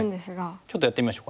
ちょっとやってみましょうかね。